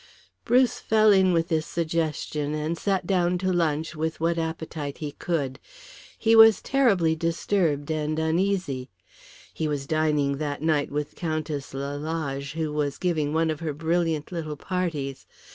Bruce fell in with this suggestion, and sat down to lunch with what appetite he could. He was terribly disturbed and uneasy. He was dining that night with Countess Lalage, who was giving one of her brilliant little parties.